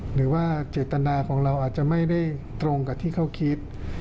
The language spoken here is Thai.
หรือว่าเจตนาของเราอาจจะไม่ได้ตรงกับที่เขาคิด